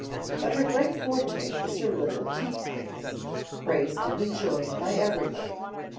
But her great forte is her little tea parties praised and enjoyed by everybody.